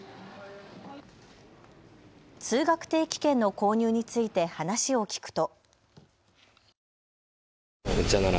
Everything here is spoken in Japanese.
通学定期券の購入について話を聞くと。